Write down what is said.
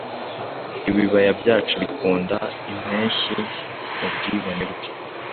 Ibibaya byacu bikunda Impeshyi mubwibone bwe.